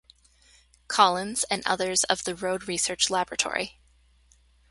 Collins and others of the Road Research Laboratory.